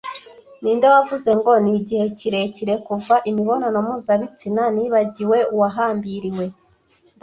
Ninde wavuze ngo "Nigihe kirekire kuva imibonano mpuzabitsina nibagiwe uwahambiriwe"